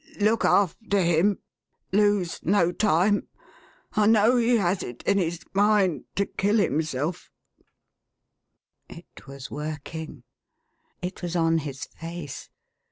Look after him ! Lose no time ! I know he has it in his mind to kill himself/1 It was working. It was on his face.